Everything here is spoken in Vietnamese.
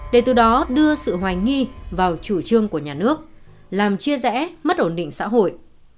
để từ đó đưa sự hoài nghi vào chủ trương của nhà nước làm chia rẽ mất ổn định xã hội